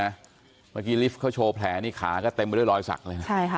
เมื่อกี้ลิฟท์เขาโชว์แผลนี่ขาก็เต็มไปด้วยรอยสักเลยนะ